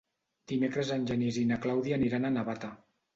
Dimecres en Genís i na Clàudia aniran a Navata.